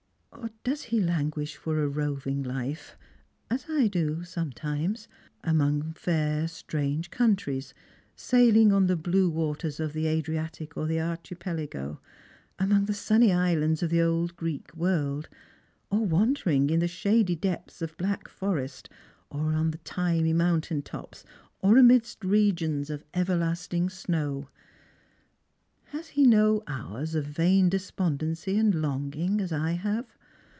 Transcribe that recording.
Or does he languish for a roving life — as I do some times — among fair strange countries, sailing on the blue waters of the Adriatic or the Archipelago, among tiie sunny islands of the old Greek world, or wandering in the shady depths of the black forest, or on thymy mountain tops, or amidst regions of everlasting snow? Has he no hours of vain despondency and longing, as I have